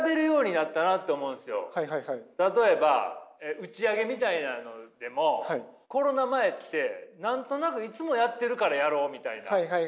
我々は例えば打ち上げみたいなのでもコロナ前って何となくいつもやってるからやろうみたいな。